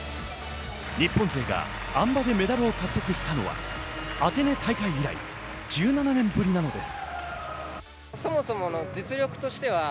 日本勢があん馬でメダルを獲得したのはアテネ大会以来１７年ぶりなんです。